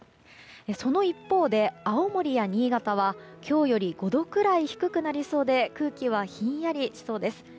その一方で、青森や新潟は今日より５度くらい低くなりそうで空気はひんやりしそうです。